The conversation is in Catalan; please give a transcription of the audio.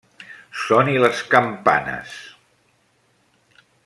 Soni les campanes!